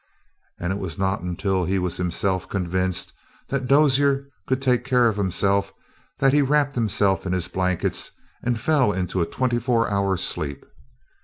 And it was not until he was himself convinced that Dozier could take care of himself that he wrapped himself in his blankets and fell into a twenty four hour sleep.